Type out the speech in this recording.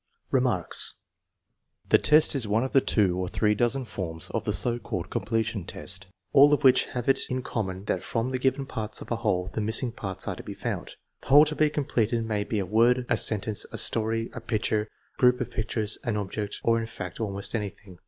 Remarks. The test is one of the two or three dozen forms of the so called " completion test," all of which have it in common that from the given parts of a whole the missing parts are to be found. The whole to be completed may be a word, a sentence, a story, a picture, a group of pictures, an object, or in fact almost anything.